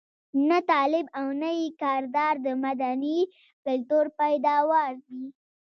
نه طالب او نه یې کردار د مدني کلتور پيداوار دي.